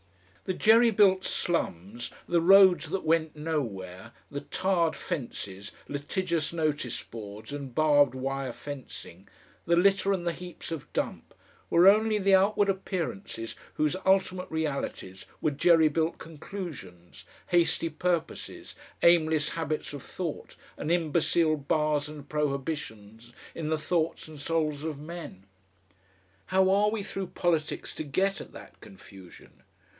The jerry built slums, the roads that went nowhere, the tarred fences, litigious notice boards and barbed wire fencing, the litter and the heaps of dump, were only the outward appearances whose ultimate realities were jerry built conclusions, hasty purposes, aimless habits of thought, and imbecile bars and prohibitions in the thoughts and souls of men. How are we through politics to get at that confusion?